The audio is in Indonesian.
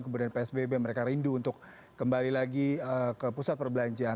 kemudian psbb mereka rindu untuk kembali lagi ke pusat perbelanjaan